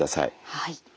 はい。